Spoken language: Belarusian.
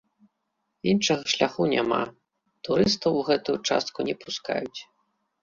Іншага шляху няма, турыстаў у гэтую частку не пускаюць.